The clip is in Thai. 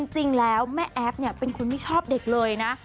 จริงแล้วแม่แอฟเป็นคนไม่ชอบเด็กเลยนะ